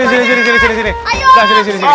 oh pak rt